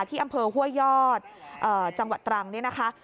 ที่อำเภอห้วยยอดจังหวัดตรังเนี่ยนะคะ